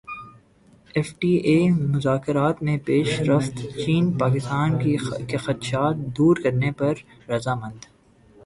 F T A مذاکرات میں پیش رفت چین پاکستان کے خدشات دور کرنے پر رضامند